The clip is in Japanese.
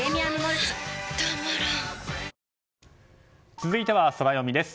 続いてはソラよみです。